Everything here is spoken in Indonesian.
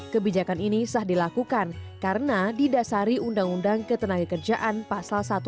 kebijakan ini sah dilakukan karena didasari undang undang ketenagakerjaan pasal satu ratus lima puluh tiga ayat satu